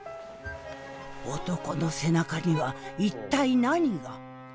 男の背中には一体何が？